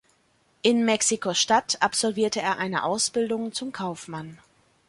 In Mexiko-Stadt absolvierte er eine Ausbildung zum Kaufmann.